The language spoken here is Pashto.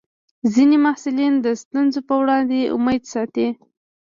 ځینې محصلین د ستونزو پر وړاندې امید ساتي.